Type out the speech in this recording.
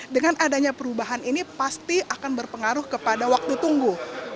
dengan adanya perubahan ini pasti akan berpengaruh kepada waktu tunggu